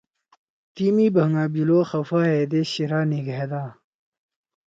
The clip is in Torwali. تی می بھنگا بلو خفا ہیدے شیرا نیگھأدا۔